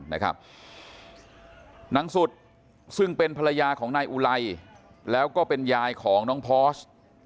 นางสุดซึ่งเป็นภรรยาของนายอุไลแล้วก็เป็นยายของน้องพอร์ส